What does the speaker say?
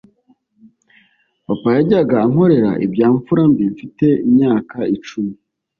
papa yajyaga ankorera ibya mfura mbi mfite imyaka icumi